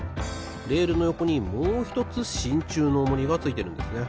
レールのよこにもうひとつしんちゅうのオモリがついてるんですね。